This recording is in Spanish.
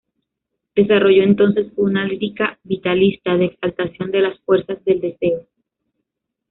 Desarrolló entonces una lírica vitalista de exaltación de las fuerzas del deseo.